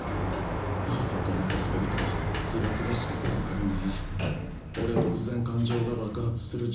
あそこまでひどいと清々しく清々しくさえあるね。